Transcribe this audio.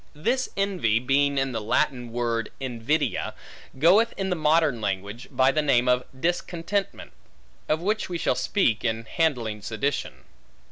This envy, being in the Latin word invidia, goeth in the modern language, by the name of discontentment; of which we shall speak, in handling sedition.